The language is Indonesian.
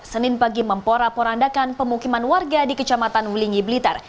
senin pagi memporaporandakan pemukiman warga di kecamatan wulingi blitar